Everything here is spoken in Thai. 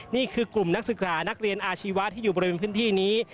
นี่คือกลุ่มนักศึกษานักเรียนอาชีวะที่อยู่บริเวณพื้นที่นี้